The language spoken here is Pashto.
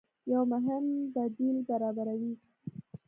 يو مهم بديل برابروي